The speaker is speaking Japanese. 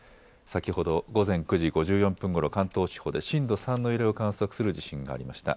先ほど午前９時５４分ごろ、関東地方で震度３の揺れを観測する地震がありました。